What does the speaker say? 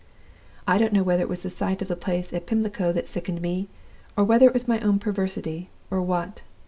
"I don't know whether it was the sight of the place at Pimlico that sickened me, or whether it was my own perversity, or what.